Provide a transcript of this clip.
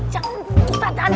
jangan ustadz jangan